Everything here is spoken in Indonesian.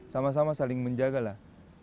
sama sama saling menjaga lah